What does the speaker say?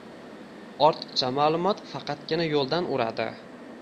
– ortiqcha ma’lumot faqatgina yo‘ldan uradi.